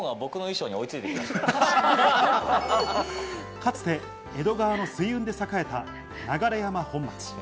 かつて江戸川の水運で栄えた流山本町。